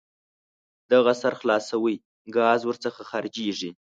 د هغه سر خلاصوئ ګاز ور څخه خارجیږي.